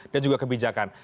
dan juga kebijakan